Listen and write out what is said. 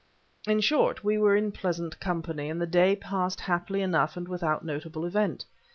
In short, we were in pleasant company, and the day passed happily enough and without notable event.